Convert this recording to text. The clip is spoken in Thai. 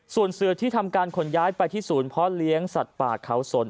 ส่วนเสือที่ทำการขนย้ายไปที่ศูนย์เพาะเลี้ยงสัตว์ป่าเขาสน